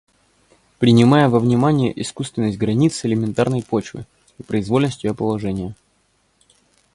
Принимая во внимание искусственность границ элементарной почвы и произвольность ее положения